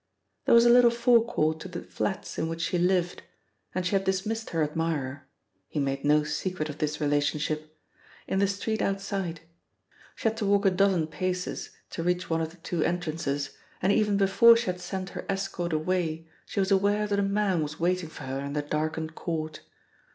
There was a little forecourt to the flats in which she lived, and she had dismissed her admirer (he made no secret of this relationship) in the street outside. She had to walk a dozen paces to reach one of the two entrances, and even before she had sent her escort away, she was aware that a man was waiting for her in the darkened court.